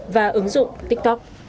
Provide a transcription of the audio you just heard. và ứng dụng tiktok